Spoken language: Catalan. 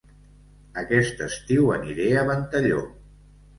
Aquest estiu aniré a Ventalló